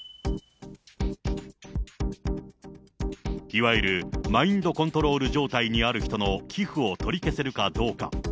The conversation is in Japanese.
いわゆるマインドコントロール状態にある人の寄付を取り消せるかどうか。